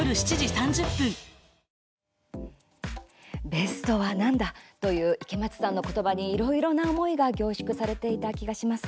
ベストは何だという池松さんの言葉にいろいろな思いが凝縮されていた気がします。